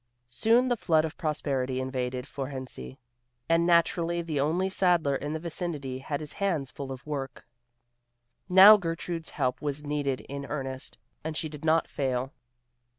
Soon the flood of prosperity invaded Fohrensee, and naturally the only saddler in the vicinity had his hands full of work. Now Gertrude's help was needed in earnest, and she did not fail.